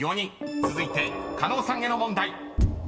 ［続いて狩野さんへの問題］